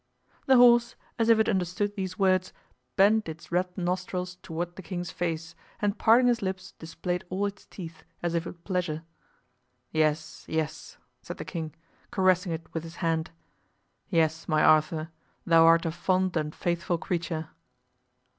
The horse, as if it understood these words, bent its red nostrils toward the king's face, and parting his lips displayed all its teeth, as if with pleasure. "Yes, yes," said the king, caressing it with his hand, "yes, my Arthur, thou art a fond and faithful creature."